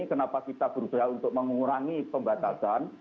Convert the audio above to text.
kenapa kita berusaha untuk mengurangi pembatasan